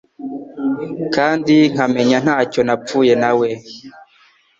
Kandi nkamenya Nta cyo napfuye na we